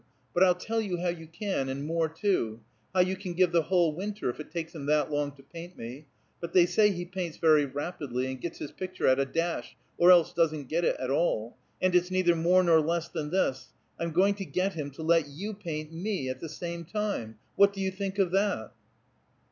But I'll tell you how you can, and more too; how you can give the whole winter, if it takes him that long to paint me; but they say he paints very rapidly, and gets his picture at a dash, or else doesn't get it at all; and it's neither more nor less than this: I'm going to get him to let you paint me at the same time? What do you think of that?"